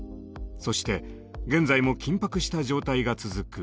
そして現在も緊迫した状態が続く